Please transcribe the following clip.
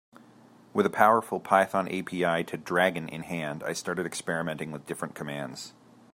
With a powerful Python API to Dragon in hand, I started experimenting with different commands.